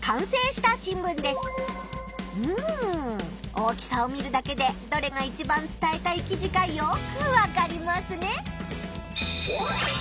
大きさを見るだけでどれがいちばん伝えたい記事かよくわかりますね！